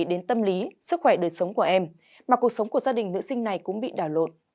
đến tâm lý sức khỏe đời sống của em mà cuộc sống của gia đình nữ sinh này cũng bị đảo lộn